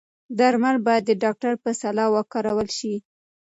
درمل باید د ډاکتر په سلا وکارول شي.